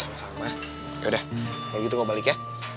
udah gitu balik ya